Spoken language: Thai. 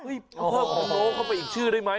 เพิ่มพะโล่เข้าไปอีกชื่อได้ไหม